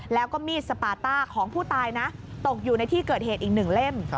แล้วก็มีดสปาต้าของผู้ตายนะตกอยู่ในที่เกิดเหตุอีก๑เล่ม